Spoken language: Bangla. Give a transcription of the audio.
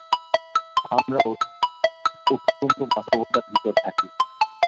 আমরা অত্যন্ত ব্যস্ততার ভিতর থাকি।